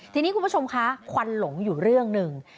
ทีนี้คุณผู้ชมคะควันหลงอยู่เรื่องหนึ่ง